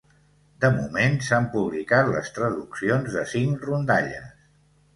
De moment s’han publicat les traduccions de cinc rondalles.